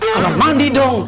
kamar mandi dong